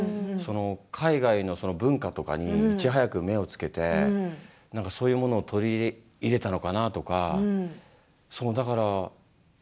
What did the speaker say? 海外の文化とかにいち早く目をつけてそういうものを取り入れたのかなとか。